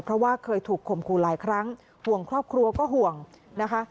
เพราะว่าเคยถูกข่มขู่หลายครั้งห่วงครอบครัวก็ห่วงนะคะ